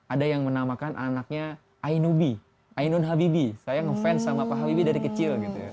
ada yang menamakan anaknya ainubi ainun habibie saya ngefans sama pak habibie dari kecil gitu ya